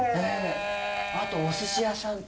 あとおすし屋さんと。